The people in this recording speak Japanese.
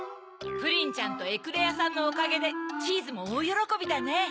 プリンちゃんとエクレアさんのおかげでチーズもおおよろこびだね。